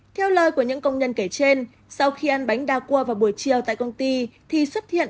theo lời của những công nhân kể trên sau khi ăn bánh đa cua vào buổi chiều tại công ty thì xuất hiện